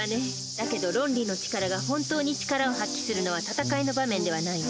だけどロンリのちからが本当に力を発揮するのは戦いの場面ではないの。